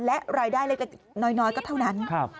และรายได้เล็กน้อยก็เท่านั้น